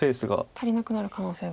足りなくなる可能性が。